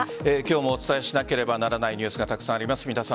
今日もお伝えしなければならないニュースがたくさんあります。